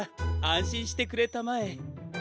あんしんしてくれたまえ。